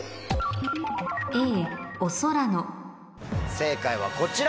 正解はこちら。